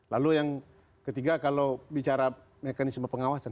lalu yang ketiga kalau bicara mekanisme pengawasan